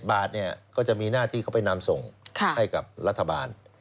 บาทก็จะมีหน้าที่เขาไปนำส่งให้กับรัฐบาล